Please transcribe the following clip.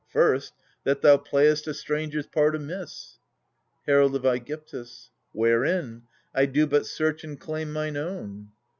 First, that thou play'st a stranger's part amiss. Herald of ^gyptus. Wherein ? I do but search and claim mine own.